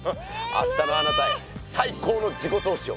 明日のあなたへ最高の自己投資を！